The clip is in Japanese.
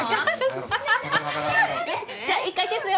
じゃあ１回消すよ。